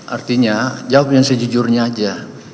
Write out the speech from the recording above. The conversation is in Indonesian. artinya jawab yang sejujurnya aja